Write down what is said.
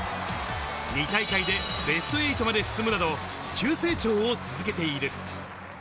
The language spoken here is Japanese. ２大会でベスト８まで進むなど、急成長を続けている。